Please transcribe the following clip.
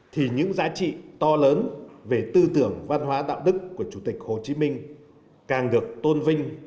thì những giá trị to lớn về tư tưởng văn hóa đạo đức của chủ tịch hồ chí minh càng được tôn vinh